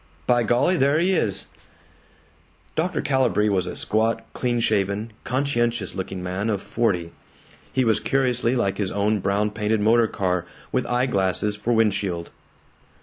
By golly, there he is." Dr. Calibree was a squat, clean shaven, conscientious looking man of forty. He was curiously like his own brown painted motor car, with eye glasses for windshield.